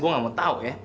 gue gak mau tau ya